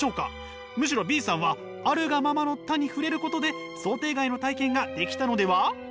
むしろＢさんは「あるがままの多」に触れることで想定外の体験ができたのでは？